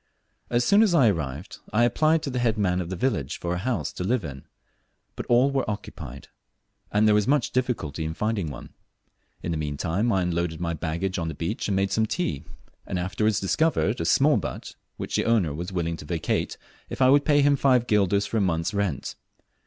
As soon as I arrived, I applied to the head man of the village for a house to live in, but all were occupied, and there was much difficulty in finding one. In the meantime I unloaded my baggage on the beach and made some tea, and afterwards discovered a small but which the owner was willing to vacate if I would pay him five guilders for a month's rent.